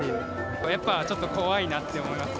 やっぱりちょっと怖いなって思います。